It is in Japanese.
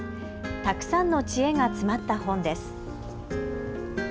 たくさんの知恵が詰まった本です。